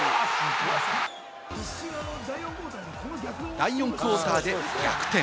第４クオーターで逆転。